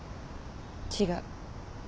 違う。